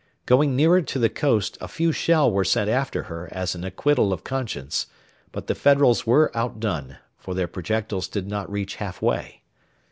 Going nearer to the coast, a few shell were sent after her as an acquittal of conscience, but the Federals were outdone, for their projectiles did not reach half way.